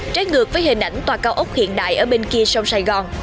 trái ngược với hình ảnh tòa cao ốc hiện đại ở bên kia sông sài gòn